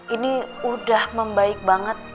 ini udah membaik banget